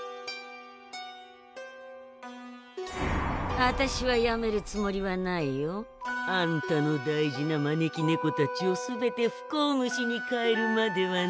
あたしはやめるつもりはないよ。あんたの大事な招き猫たちを全て不幸虫に変えるまではね！